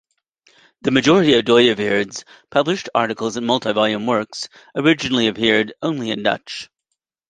The majority of Dooyeweerd's published articles and multi-volume works originally appeared only in Dutch.